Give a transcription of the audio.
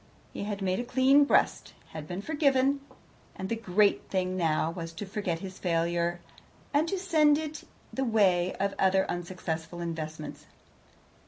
He had made a clean breast, had been forgiven, and the great thing now was to forget his failure, and to send it the way of other unsuccessful investments.